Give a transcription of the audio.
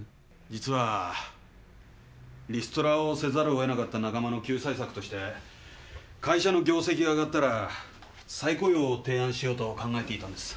実はリストラをせざるを得なかった仲間の救済策として会社の業績が上がったら再雇用を提案しようと考えていたんです。